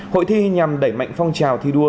hội thi nhằm đẩy mạnh phong trào thi đua